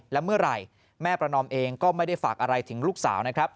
และเมื่อไหร่แม่ประนอมเองก็ไม่ได้ฝากอะไรถึงลูกสาวนะครับ